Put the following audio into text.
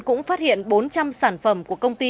cũng phát hiện bốn trăm linh sản phẩm của công ty